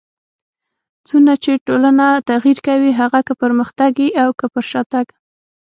څونه چي ټولنه تغير کوي؛ هغه که پرمختګ يي او که پر شاتګ.